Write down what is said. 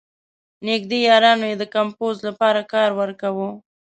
نېږدې یارانو یې د کمپوز لپاره کار ورکاوه.